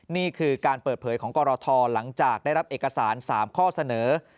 นี่คือการเปิดเผยของกรทหลังจากได้รับเอกสาร๓ข้อเสนอ